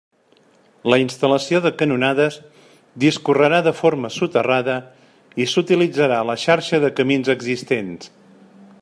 La instal·lació de canonades discorrerà de forma soterrada i s'utilitzarà la xarxa de camins existents.